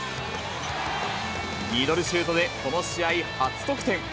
ミドルシュートで、この試合初得点。